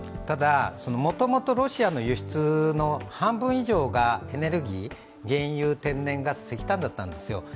ただ、もともとロシアの輸出の半分以上がエネルギー、原油、天然ガス、石炭だったんですよ。